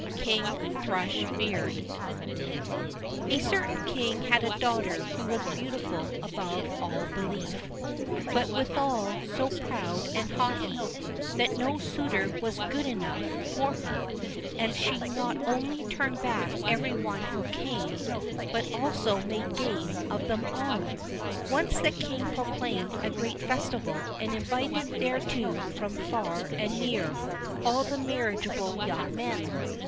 King Thrush beard A certain king had a daughter who was beautiful above all belief, but withal so proud and haughty, that no suitor was good enough for her, and she not only turned back every one who came, but also made game of them all. Once the king proclaimed a great festival, and invited thereto from far and near all the marriageable young men.